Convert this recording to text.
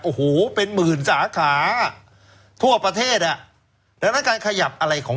โอ้โหเป็นหมื่นสาขาทั่วประเทศอ่ะดังนั้นการขยับอะไรของ